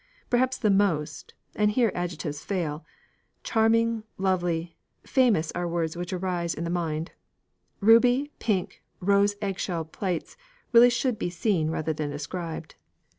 Perhaps the most and here adjectives fail: charming, lovely, famous are words which arise in the mind ruby, pink, rose eggshell plates really should be seen rather than described.